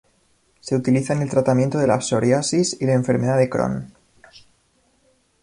Se utiliza en el tratamiento de la psoriasis y la enfermedad de Crohn.